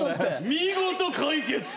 見事解決！